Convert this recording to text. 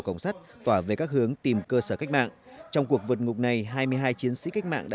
cổng sắt tỏa về các hướng tìm cơ sở cách mạng trong cuộc vượt ngục này hai mươi hai chiến sĩ cách mạng đã